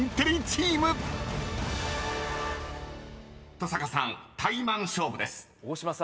［登坂さんタイマン勝負です］